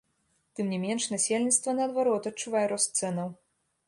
Тым не менш, насельніцтва, наадварот, адчувае рост цэнаў.